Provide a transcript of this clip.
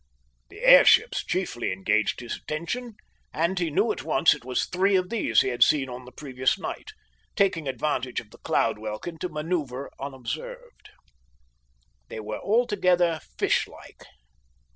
The airships chiefly engaged his attention, and he knew at once it was three of these he had seen on the previous night, taking advantage of the cloud welkin to manoeuvre unobserved. They were altogether fish like.